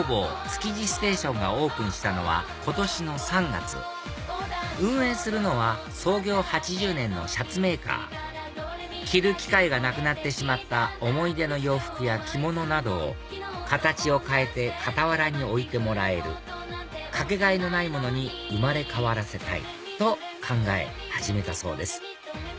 築地ステーションがオープンしたのは今年の３月運営するのは創業８０年のシャツメーカー着る機会がなくなってしまった思い出の洋服や着物などを形を変えて傍らに置いてもらえるかけがえのないものに生まれ変わらせたいと考え始めたそうです